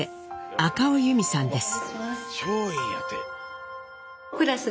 赤尾由美さんです。